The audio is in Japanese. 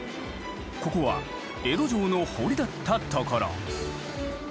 ここは江戸城の堀だった所。